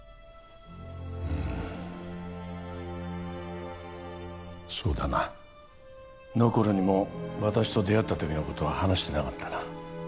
うんそうだなノコルにも私と出会った時のことは話してなかったな